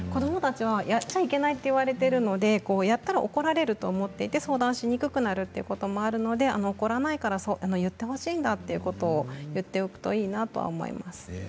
してはいけないと言われているのでやったら怒られると思って相談しにくくなるということもありますので、怒らないから言ってほしいんだということを言っておくといいと思います。